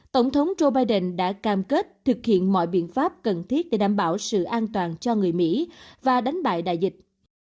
tổng thống joe biden đã cam kết thực hiện mọi biện pháp cần thiết để đảm bảo sự an toàn cho người mỹ và đánh bại đại dịch